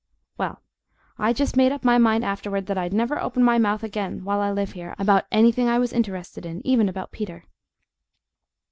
Well, I just made up my mind afterward that I'd never open my mouth again, while I live here, about ANYTHING I was interested in, even about Peter!